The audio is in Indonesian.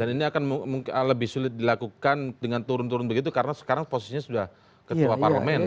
dan ini akan lebih sulit dilakukan dengan turun turun begitu karena sekarang posisinya sudah ketua parlement